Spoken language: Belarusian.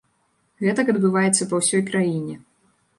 Гэтак адбываецца па ўсёй краіне.